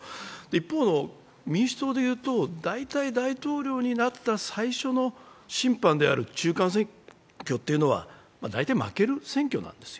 一方の民主党でいうと、大体大統領になった最初の審判である中間選挙というのは大体負ける選挙なんです。